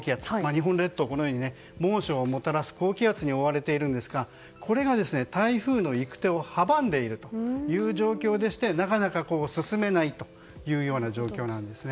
日本列島はこのように猛暑をもたらす高気圧に覆われているんですがこれが台風の行く手を阻む状況でなかなか進めないという状況なんですね。